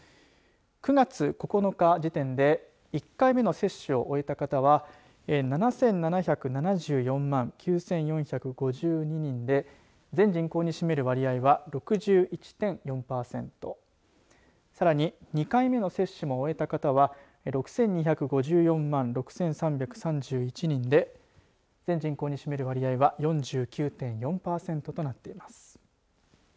９月９日時点で１回目の接種を終えた方は７７７４万９４５２人で全人口に占める割合は６１．４パーセントさらに２回目の接種も終えた方は６２５４万６３３１人で全人口に占める割合は４９．４パーセントとなっています。